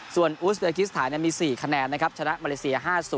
ส่วนอูสเบรกิสไทยมี๔คะแนนชนะมาเลเซีย๕๐